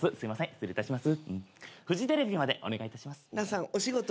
失礼いたします。